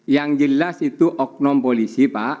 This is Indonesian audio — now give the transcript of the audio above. yang jelas itu oknum polisi pak